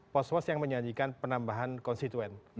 pos pos yang menyajikan penambahan konstituen